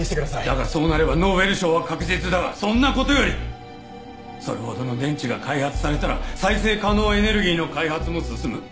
だがそうなればノーベル賞は確実だがそんな事よりそれほどの電池が開発されたら再生可能エネルギーの開発も進む。